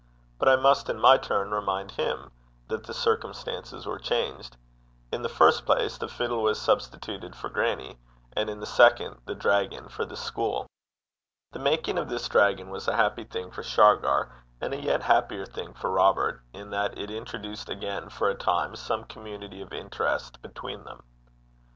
But I must in my turn remind him that the circumstances were changed. In the first place, the fiddle was substituted for grannie; and in the second, the dragon for the school. The making of this dragon was a happy thing for Shargar, and a yet happier thing for Robert, in that it introduced again for a time some community of interest between them.